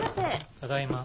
ただいま。